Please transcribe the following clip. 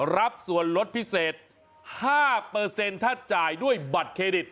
รับส่วนลดพิเศษ๕ถ้าจ่ายด้วยบัตรเครดิต